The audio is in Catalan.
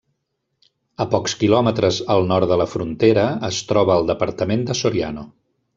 A pocs quilòmetres al nord de la frontera es troba el departament de Soriano.